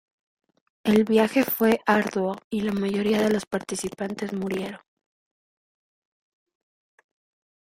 El viaje fue arduo, y la mayoría de los participantes murieron.